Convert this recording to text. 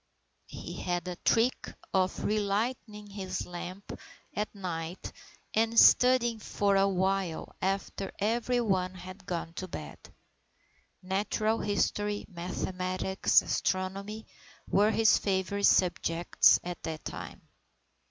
He had a trick of relighting his lamp at night and studying for a while after every one had gone to bed. Natural history, mathematics, and astronomy were his favourite subjects at that time.